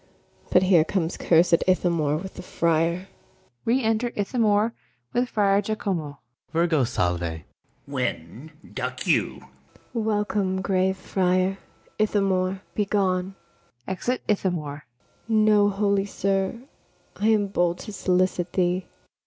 But here comes cursed Ithamore with the friar. Re enter ITHAMORE with FRIAR JACOMO. FRIAR JACOMO. Virgo, salve. ITHAMORE. When duck you? ABIGAIL. Welcome, grave friar. Ithamore, be gone. [Exit ITHAMORE.] Know, holy sir, I am bold to solicit thee.